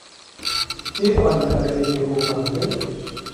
Kê alîkariya kevokan kir?